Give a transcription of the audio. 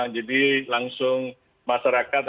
jadi langsung masyarakat